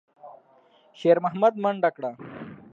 شېرمحمد منډه کړه.